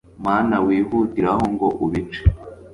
mana wihutiraho ngo ubice